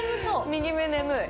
右目眠い。